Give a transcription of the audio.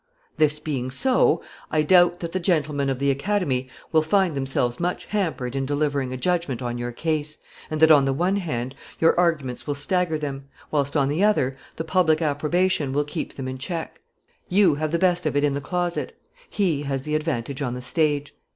This being so, I doubt not that the gentlemen of the Academy will find themselves much hampered in delivering a judgment on your case, and that, on the one hand, your arguments will stagger them, whilst, on the other, the public approbation will keep them in check. You have the best of it in the closet; he has the advantage on the stage.